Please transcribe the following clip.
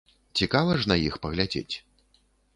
Цікава ж на іх паглядзець.